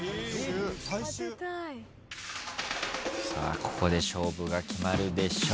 ここで勝負が決まるでしょう。